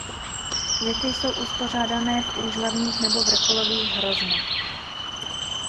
Květy jsou uspořádané v úžlabních nebo vrcholových hroznech.